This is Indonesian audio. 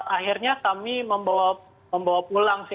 akhirnya kami membawa pulang sih